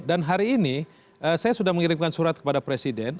dan hari ini saya sudah mengirimkan surat kepada presiden